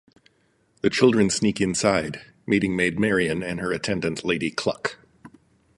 The children sneak inside, meeting Maid Marian and her attendant Lady Kluck.